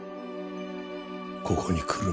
ここに来る前。